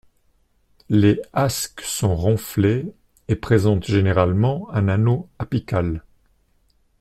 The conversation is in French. Les asques sont renflées et présentent généralement un anneau apical.